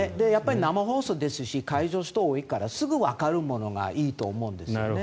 生放送ですし会場、人が多いですからすぐわかるものがいいと思うんですよね。